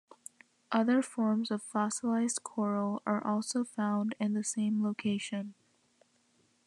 Other forms of fossilized coral are also found in the same location.